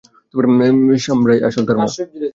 সামার-ই তার আসল মা, মা।